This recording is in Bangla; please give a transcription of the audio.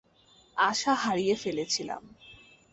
আশা হারিয়ে ফেলেছিলাম।